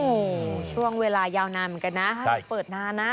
โอ้โหช่วงเวลายาวนานเหมือนกันนะเปิดนานนะ